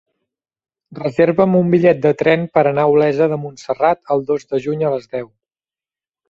Reserva'm un bitllet de tren per anar a Olesa de Montserrat el dos de juny a les deu.